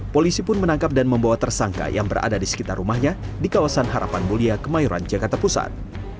polisi pun menangkap dan membawa tersangka yang berada di sekitar rumahnya di kawasan harapan mulia kemayoran jakarta pusat